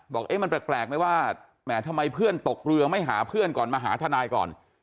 เอ๊ะมันแปลกไหมว่าแหมทำไมเพื่อนตกเรือไม่หาเพื่อนก่อนมาหาทนายก่อน